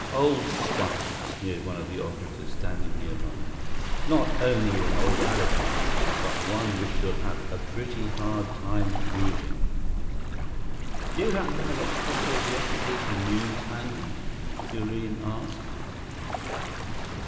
"Old stuff," sneered one of the operatives standing near by. "Not only an old alibi, but one which you'll have a pretty hard time proving." "Do you happen to have a copy of yesterday's News handy?" Thurene asked.